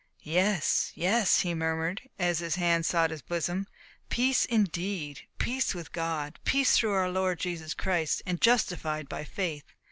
"Yes, yes," he murmured, as his hand sought his bosom. "Peace indeed! Peace with God! Peace through our Lord Jesus Christ and justified by faith."